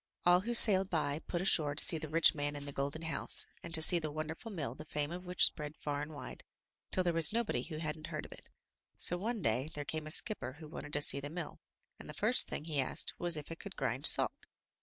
All who sailed by put ashore to see the rich man in the golden house, and to see the wonderful mill the fame of which spread far and wide, till there was nobody who hadn't heard of it. So one day there came a skipper who wanted to see the mill, and the first thing he asked was if it could grind salt.